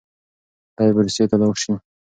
دی به روسيې ته لاړ شي.